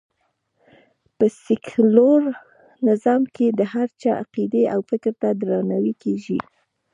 په سکیولر نظام کې د هر چا عقېدې او فکر ته درناوی کېږي